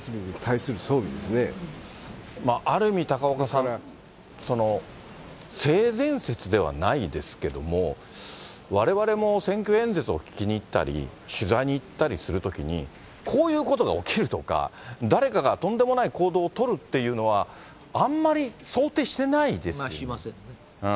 ある意味、高岡さん、性善説ではないですけども、われわれも選挙演説を聞きに行ったり、取材に行ったりするときに、こういうことが起きるとか、誰かがとんでもない行動を取るっていうのは、あんまり想定してなしませんね。